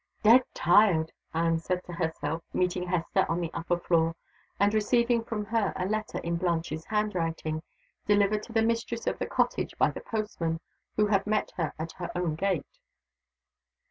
"Dead tired!" Anne said to herself, meeting Hester on the upper floor, and receiving from her a letter in Blanche's handwriting, delivered to the mistress of the cottage by the postman, who had met her at her own gate.